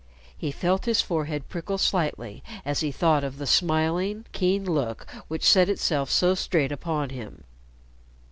He felt his forehead prickle slightly as he thought of the smiling, keen look which set itself so straight upon him.